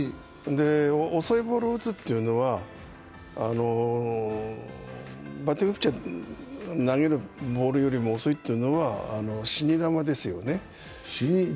遅いボールを打つというのは、バッティングピッチャーが投げるボールよりも遅いのは、死に球ですよね。